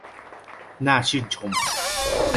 น่าชื่นชม